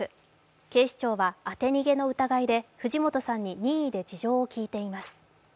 警視庁は当て逃げの疑いで藤本さんに任意で事情を聞いています。